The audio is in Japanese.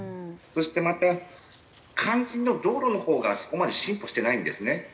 そしてまた肝心の道路のほうがそこまで進歩してないんですね。